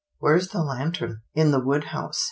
Where's the lantern ?"" In the wood house.